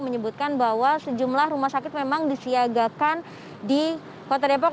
menyebutkan bahwa sejumlah rumah sakit memang disiagakan di kota depok